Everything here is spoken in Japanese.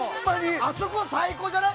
あそこ、最高じゃない？